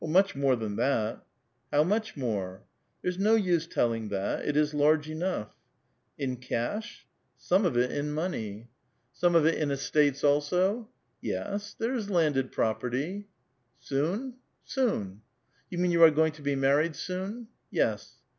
" Much more than that." " How much more?" " There's no use telling that; it is large enough." "In cash?" " Some of it in monev." A VITAL QUESTION. 77 *' Some of it in estates also? "*" Yes ; there's landed property." *^Soon?" " Soon." *' You mean you are going to be married soon?" " Yes."